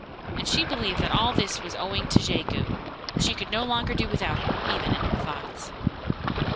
And she believed that all this was owing to Jegu, and she could no longer do without him, even in her thoughts.